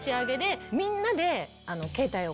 みんなで。